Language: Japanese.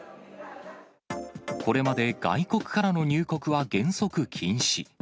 これまで外国からの入国は原則禁止。